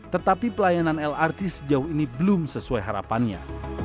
tetapi pelayanan lrt sejauh ini belum sesuai harapannya